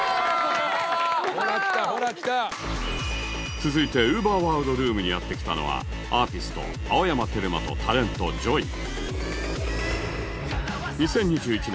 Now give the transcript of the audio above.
続いて『ＵＶＥＲｗｏｒｌｄＲＯＯＭ』にやって来たのはアーティスト青山テルマとタレント ＪＯＹ２０２１年